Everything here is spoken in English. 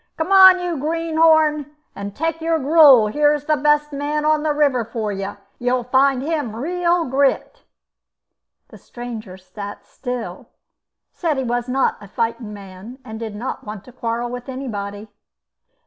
"Come on, you green horn, and take your gruel. Here's the best man on the river for you. You'll find him real grit." The stranger sat still, said he was not a fighting man, and did not want to quarrel with anybody.